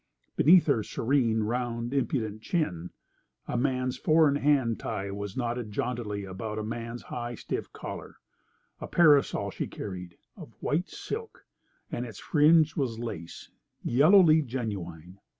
Beneath her serene, round, impudent chin a man's four in hand tie was jauntily knotted about a man's high, stiff collar. A parasol she carried, of white silk, and its fringe was lace, yellowly genuine.